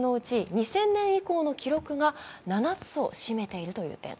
２０００年以降の記録が７つを占めているという点。